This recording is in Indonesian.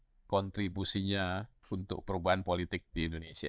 dan kontribusinya untuk perubahan politik di indonesia